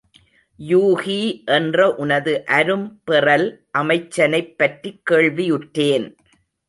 யூகி என்ற உனது அரும் பெறல் அமைச்சனைப் பற்றிக் கேள்வியுற்றேன்.